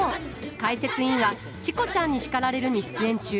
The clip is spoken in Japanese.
解説委員は「チコちゃんに叱られる！」に出演中。